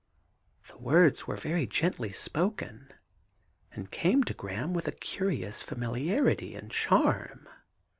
' The words were very gently spoken, and came to Graham with a curious familiarity and charm.